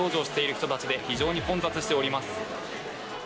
人たちで非常に混雑しております。